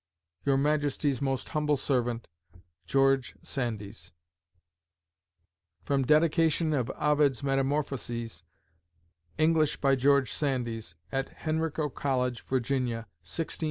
Your Majesties most humble Servant GEORGE SANDYS From Dedication of Ovids's Metamorphoses, "English by George Sandys" at Henrico College, Virginia, 1621 1625.